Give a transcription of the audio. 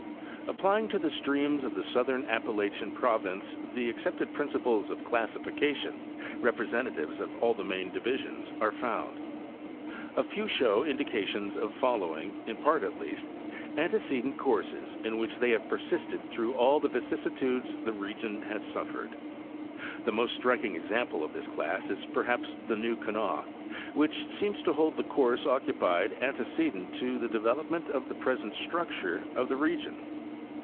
Applying to the streams of the southern Appalachian proy ince the accepted principles of classification, representatives of all the main divisions are found. A few show indications of following, in part at least, antecedent courses in which they have persisted through all the vicissitudes the region has suffered. The most striking example of this class is perhaps the New Kanawha, which seems to hold the course occupied antecedent to the development of the present structure of the region.